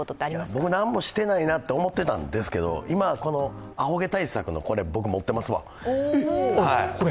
僕、何もしていないなと思っていたんですけど、アホ毛対策のこれ、僕持ってますわ。